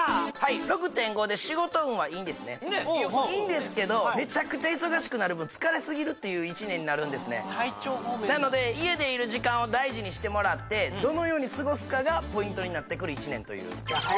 ６．５で仕事運はいいんですねいいんですけどメチャクチャ忙しくなる分疲れすぎるっていう１年になるんですねなので家でいる時間を大事にしてもらってどのように過ごすかがポイントになってくる１年という早よ